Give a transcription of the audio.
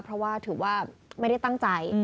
เพราะว่าถือว่าไม่ได้ตั้งใจ